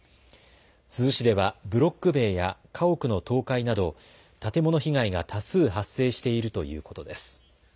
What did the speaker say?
珠洲市ではブロック塀や家屋の倒壊など建物被害が多数発生しているということです。